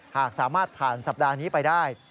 หากสามารถผ่านสัปดาห์นี้ไปได้